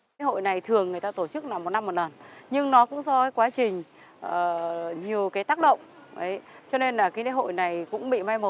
lễ hội này thường người ta tổ chức một năm một lần nhưng nó cũng do quá trình nhiều tác động cho nên lễ hội này cũng bị mai một